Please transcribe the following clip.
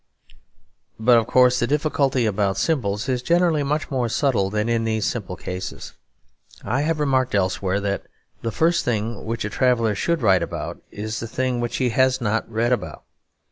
But, of course, the difficulty about symbols is generally much more subtle than in these simple cases. I have remarked elsewhere that the first thing which a traveller should write about is the thing which he has not read about.